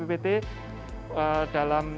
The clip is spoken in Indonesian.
dalam memperoleh kesehatan